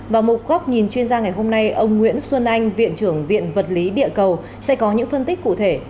vào một góc nhìn chuyên gia ngày hôm nay ông nguyễn xuân anh viện trưởng viện vật lý địa cầu sẽ có những phân tích cụ thể